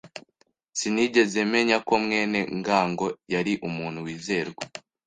Sinigeze menya ko mwene ngango yari umuntu wizerwa.